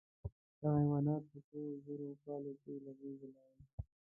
دغه حیوانات په څو زرو کالو کې له منځه لاړل.